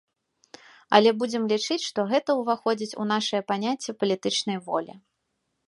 Але будзем лічыць, што гэта ўваходзіць у нашае паняцце палітычнай волі.